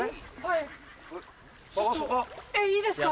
いいですか！